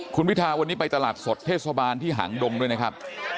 คุณพิทาวันนี้ไปตลาดสดเทศบาลที่หางดงด้วยนะครับ